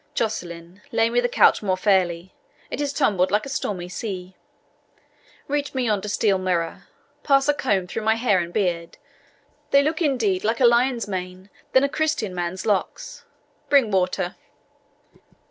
Jocelyn, lay me the couch more fairly it is tumbled like a stormy sea. Reach me yonder steel mirror pass a comb through my hair and beard. They look, indeed, liker a lion's mane than a Christian man's locks. Bring water."